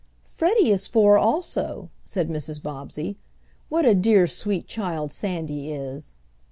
"Freddie is four also," said Mrs. Bobbsey. "What a dear sweet child Sandy is!"